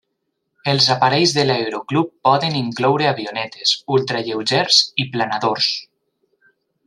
Els aparells de l'aeroclub poden incloure avionetes, ultralleugers i planadors.